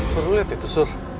sur lo liat itu sur